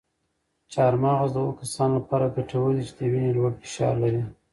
چهارمغز د هغو کسانو لپاره ګټور دي چې د وینې لوړ فشار لري.